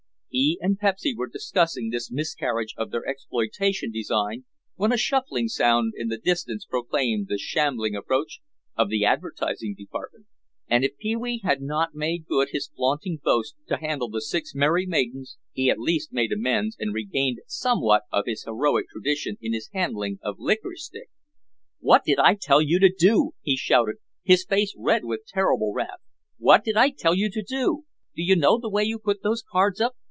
He and Pepsy were discussing this miscarriage of their exploitation design when a shuffling sound in the distance proclaimed the shambling approach of the advertising department. And if Pee wee had not made good his flaunting boast to handle the six merry maidens he at least made amends and regained somewhat of his heroic tradition in his handling of Licorice Stick. "What did I tell you to do?" he shouted, his face red with terrible wrath. "What did I tell you to do? Do you know the way you put those cards up?